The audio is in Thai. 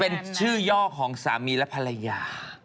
เป็นชื่อย่อของสามีและภรรยา